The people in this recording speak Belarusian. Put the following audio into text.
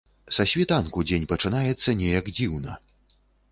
Са світанку дзень пачынаецца неяк дзіўна.